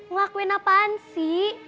ngelakuin apaan sih